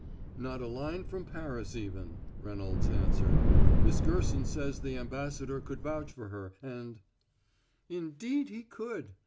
"Not a line from Paris even," Reynolds answered. "Miss Gerson says the ambassador could vouch for her, and " "Indeed he could!"